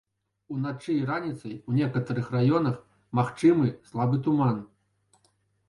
Уначы і раніцай у некаторых раёнах магчымы слабы туман.